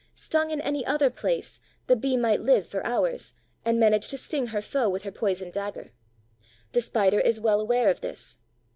Stung in any other place, the Bee might live for hours and manage to sting her foe with her poisoned dagger. The Spider is well aware of this.